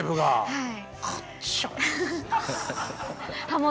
はい。